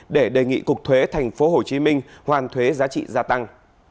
để đề nghị cục thuế thành phố hồ chí minh hoàn thuế giá trị gia tăng